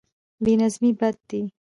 بې نظمي بد دی.